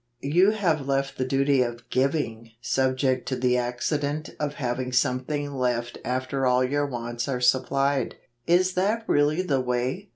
You have left the duty of giving subject to the accident of having something left after all your wants are supplied. Is that really the way